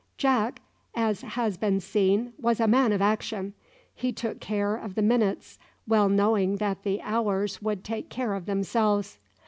Jack as has been seen was a man of action. He took care of the minutes, well knowing that the hours would take care of themselves.